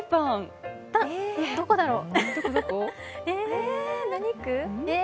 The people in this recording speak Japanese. どこだろう